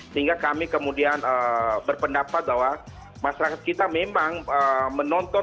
sehingga kami kemudian berpendapat bahwa masyarakat kita memang menonton